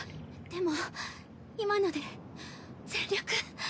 でも今のではぁ全力。